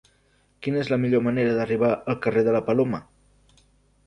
Quina és la millor manera d'arribar al carrer de la Paloma?